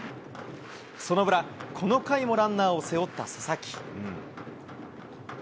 その裏、この回もランナーを背負った佐々木。